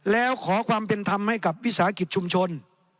แล้วขอความเป็นธรรมให้กับวิสาหกิจชุมชน